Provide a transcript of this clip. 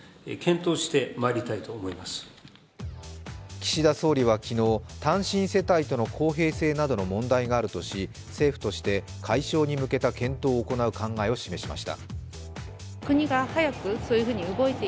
岸田総理は昨日単身世帯との公平性などの問題があるとし政府として解消に向けた検討を行う考えを示しました。